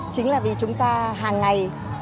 chính là vì chúng ta hàng ngày